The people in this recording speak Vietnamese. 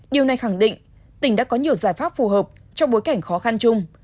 điều này khẳng định tỉnh đã có nhiều giải pháp phù hợp trong bối cảnh khó khăn chung